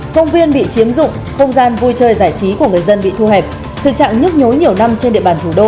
công viên bị chiếm dụng không gian vui chơi giải trí của người dân bị thu hẹp thực trạng nhức nhối nhiều năm trên địa bàn thủ đô